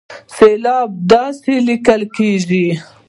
سېلاب داسې ليکل کېږي